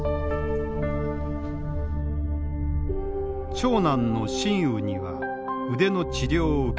長男の新雨には腕の治療を受けさせられた。